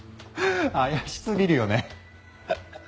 怪しすぎるよね。